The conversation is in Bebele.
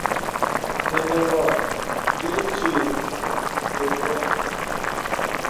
Mə nə wɔ bì ìtwì ləbô.